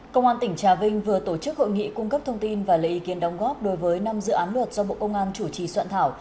công an tỉnh trà vinh vừa tổ chức hội nghị cung cấp thông tin và lấy ý kiến đóng góp đối với năm dự án luật do bộ công an chủ trì soạn thảo